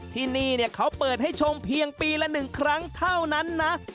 ที่นี่เขาเปิดให้ชมเพียงปีละ๑ครั้งเท่านั้นนะ